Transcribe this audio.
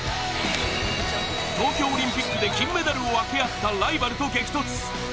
東京オリンピックで金メダルを分け合ったライバルと激突。